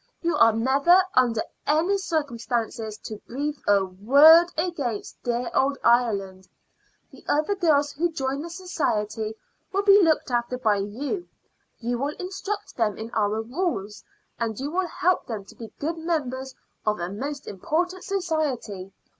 You are never under any circumstances to breathe a word against dear old Ireland. The other girls who join the society will be looked after by you; you will instruct them in our rules, and you will help them to be good members of a most important society.